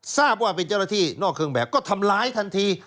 ทราบว่าเป็นเจ้าหน้าที่นอกเครื่องแบบก็ทำร้ายทันที